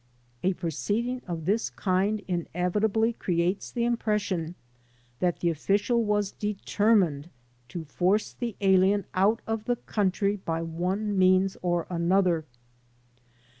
A proceeding of this kind inevitably creates the impres sion that the official was determined to force the alien out of the country by one means or another.